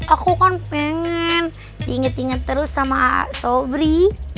aku kan pengen diinget inget terus sama sofri